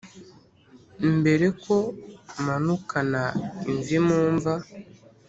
Mbere ko manukana imvi mu mva.